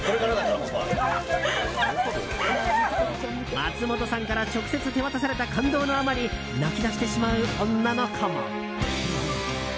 松本さんから直接、手渡された感動のあまり泣き出してしまう女の子も。